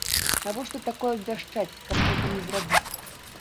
Навошта такое абвяшчаць, каб потым не зрабіць?